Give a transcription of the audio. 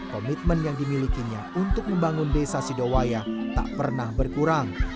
komitmen yang dimilikinya untuk membangun desa sidowaya tak pernah berkurang